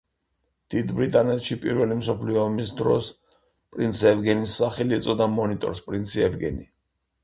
დიდ ბრიტანეთში პირველი მსოფლიო ომის დროს პრინც ევგენის სახელი ეწოდა მონიტორს „პრინცი ევგენი“.